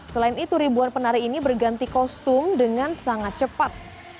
selain itu ribuan penari ini berganti kostum dengan sangat cepat